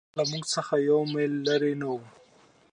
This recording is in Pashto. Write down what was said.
غر له موږ څخه یو مېل لیرې نه وو.